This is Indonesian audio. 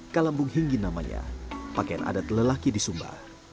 kalambung hinggi namanya pakaian adat lelaki di sumba